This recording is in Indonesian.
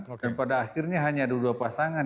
oke dan pada akhirnya hanya ada dua pasangan